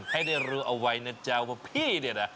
ให้ได้รู้เอาไว้นะจ๊ะว่าพี่เนี่ยนะ